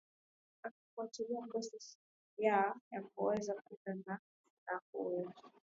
akifuatilia process ya yakuweza kwenda na na huyo